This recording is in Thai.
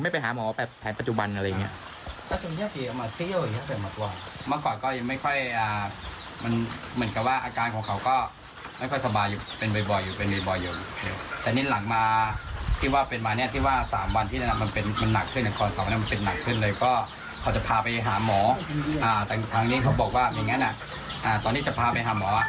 พูดถึงอย่างนี้ทำไมถึงไม่ไปหาหมอแผ่นปัจจุบันอะไรอย่างนี้